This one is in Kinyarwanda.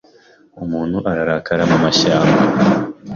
umuntu ararakara mumashyamba